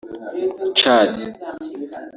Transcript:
Tchad